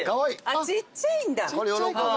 ちっちゃいんだ。